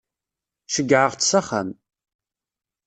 Ceggɛeɣ-tt s axxam.